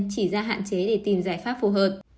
chỉ ra hạn chế để tìm giải pháp phù hợp